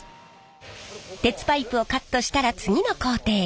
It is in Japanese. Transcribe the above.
鉄パイプをカットしたら次の工程へ。